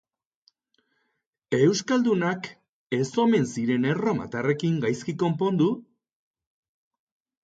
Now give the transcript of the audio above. Euskaldunak ez omen ziren erromatarrekin gaizki konpondu.